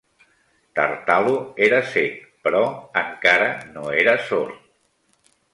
Tartalo era cec, però encara no era sord.